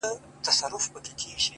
د ښایستونو خدایه سر ټیټول تاته نه وه ـ